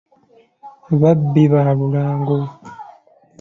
Babbi ba lulango.